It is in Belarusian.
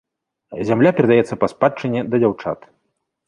Зямля перадаецца па спадчыне да дзяўчат.